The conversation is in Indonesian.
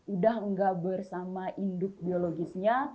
udah nggak bersama induk biologisnya